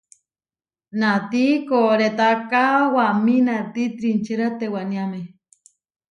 Naati koʼrétaka waʼámi naáti trinčéra tewániame.